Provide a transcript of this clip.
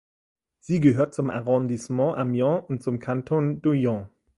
Sie gehört zum Arrondissement Amiens und zum Kanton Doullens.